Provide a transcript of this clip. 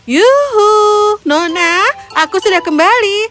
yuhu nona aku sudah kembali